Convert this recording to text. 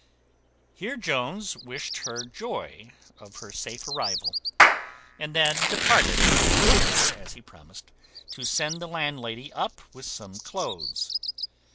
Here Jones wished her joy of her safe arrival, and then departed, in order, as he promised, to send the landlady up with some cloaths.